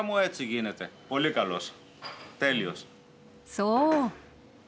そう。